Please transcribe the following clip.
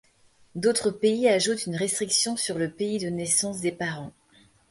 D'autres pays ajoutent une restriction sur le pays de naissance des parents.